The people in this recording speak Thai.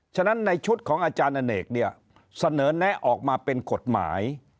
ฉะนั้นในชุดของอาจารย์อเนกเนี่ยเสนอแนะออกมาเป็นกฎหมาย